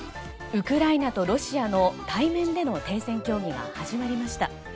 ウクライナとロシアの対面での停戦協議が始まりました。